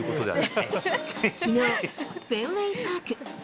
きのう、フェンウェイパーク。